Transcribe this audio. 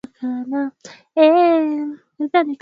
Muziki ukaanza kutengeneza sura mpya yenye ujana